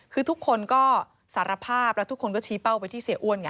คือทุกคนก็สารภาพแล้วทุกคนก็ชี้เป้าไปที่เสียอ้วนไง